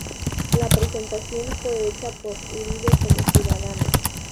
La presentación fue hecha por Uribe como ciudadano.